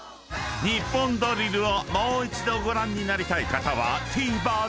［『ニッポンドリル』をもう一度ご覧になりたい方はＴＶｅｒで］